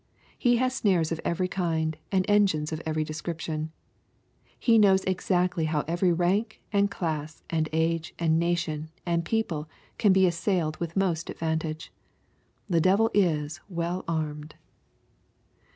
He has snares of every kind, and engines of every description. He knows ex actly how every rank, and class, and age, and nation, and people can be assailed with most advantage. The devil is well armed.